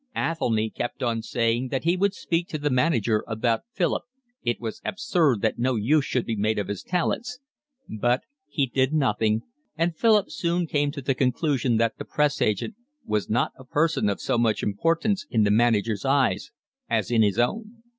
Athelny kept on saying that he would speak to the manager about Philip, it was absurd that no use should be made of his talents; but he did nothing, and Philip soon came to the conclusion that the press agent was not a person of so much importance in the manager's eyes as in his own.